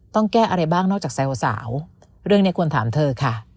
ต้องแก้อะไรบ้างนอกจากแซวสาวเรื่องนี้ควรถามเธอค่ะ